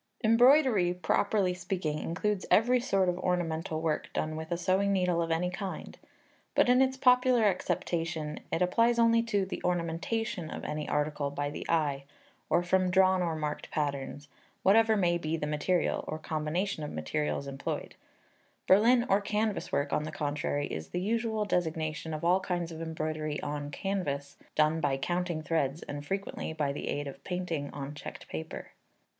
Embroidery, properly speaking, includes every sort of ornamental work done with a sewing needle of any kind; but in its popular acceptation, it applies only to the ornamentation of any article by the eye, or from drawn or marked patterns whatever may be the material, or combination of materials employed; Berlin or canvas work, on the contrary, is the usual designation of all kinds of embroidery on canvas, done by counting threads, and frequently by the aid of a painting on checked paper.